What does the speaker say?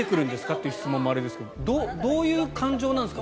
という質問もあれですけどどういう感情なんですか？